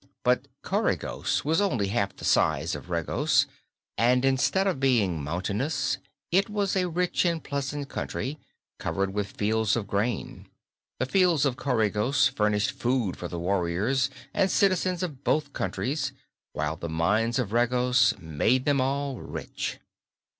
But Coregos was only half the size of Regos and instead of being mountainous it was a rich and pleasant country, covered with fields of grain. The fields of Coregos furnished food for the warriors and citizens of both countries, while the mines of Regos made them all rich.